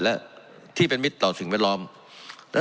และที่เป็นมิตรต่อถึงเวลาม